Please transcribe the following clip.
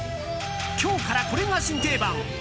今日からこれが新定番。